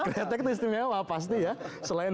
kretek itu istimewa pasti ya selain